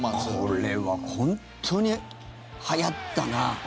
これは本当にはやったな。